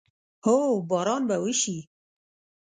هو، باران به وشي